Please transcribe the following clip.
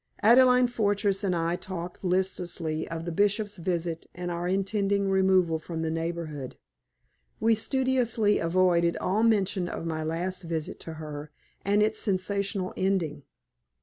Adelaide Fortress and I talked listlessly of the Bishop's visit and our intending removal from the neighborhood. We studiously avoided all mention of my last visit to her and its sensational ending.